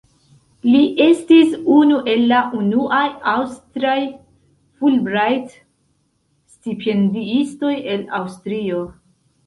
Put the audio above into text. Li estis unu el la unuaj aŭstraj Fulbright-stipendiistoj el Aŭstrio.